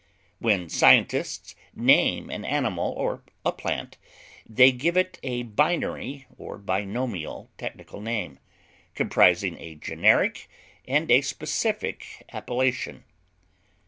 When scientists name an animal or a plant, they give it a binary or binomial technical name comprising a generic and a specific appellation.